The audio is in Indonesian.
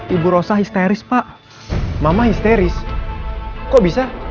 ibu rosa histeris pak mama histeris kok bisa